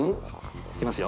いきますよ。